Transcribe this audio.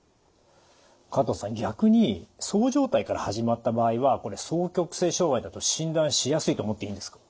加藤さん逆にそう状態から始まった場合は双極性障害と診断しやすいと思っていいんですか？